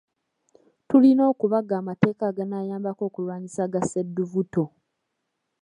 Tulina okubaga amateeka aganaayambako okulwanyisa ga ssedduvvuto.